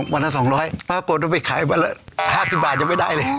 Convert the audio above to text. วันละ๒๐๐ปรากฏว่าไปขายวันละ๕๐บาทยังไม่ได้เลย